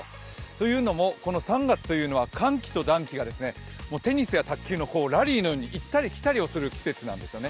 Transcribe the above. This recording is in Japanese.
というのも、この３月というのは寒気と暖気が、テニスや卓球のラリーのように行ったり来たりをする季節なんですよね。